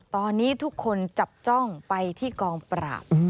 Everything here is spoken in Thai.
ตอนนี้ทุกคนจับจ้องไปที่กองปราบ